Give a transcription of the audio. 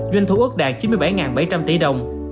doanh thu ước đạt chín mươi bảy bảy trăm linh tỷ đồng